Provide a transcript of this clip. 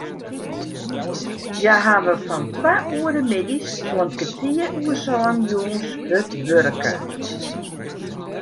Hja hawwe fan twa oere middeis oant kertier oer sânen jûns hurd wurke.